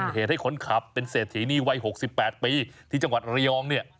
เหตุให้คนขับเป็นเศรษฐีนีวัย๖๘ปีที่จังหวัดระยองเนี่ย